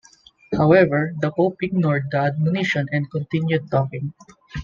However, the pope ignored the admonition and continued talking.